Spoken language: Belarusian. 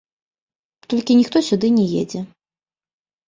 Толькі ніхто сюды не едзе.